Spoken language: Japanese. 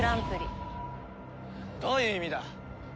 どういう意味だ！